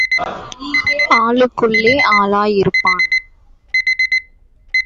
ஆளுக்குள்ளே ஆளாய் இருப்பான்.